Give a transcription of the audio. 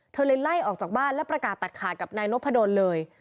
เธอเลยไล่ออกจากบ้านและประกาศตัดขาดกับนายนพดลเลย